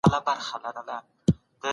بریا زموږ په برخه ده.